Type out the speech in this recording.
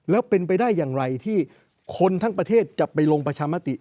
แล้วเป็นไปได้อย่างไรที่คนทั้งประเทศจะไปลงประชามติ